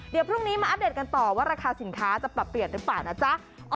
เดี๋ยวพรุ่งนี้มาอัปเดตกันต่อว่าราคาสินค้าจะปรับเปลี่ยนหรือเปล่านะจ๊ะ